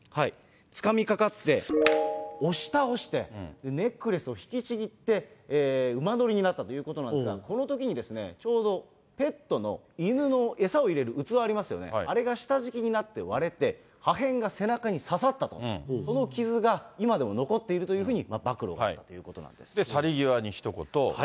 つかみかかって、押し倒して、ネックレスを引きちぎって、馬乗りになったということなんですが、このときにちょうどペットの犬の餌を入れる器ありますよね、あれが下敷きになって割れて、破片が背中に刺さったと、その傷が今でも残っているというふうに暴露したということなんで去り際にひと言。